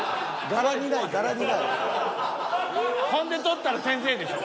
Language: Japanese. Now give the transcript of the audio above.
ほんで取ったら先生でしょ。